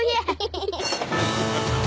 ハハハハ！